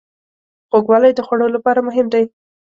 خوږوالی د خوړو لپاره مهم دی.